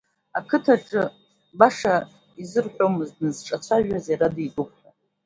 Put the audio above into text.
Ақыҭаҿы баша изырҳәомызт дназыҿцәажәаз иара дитәуп ҳәа.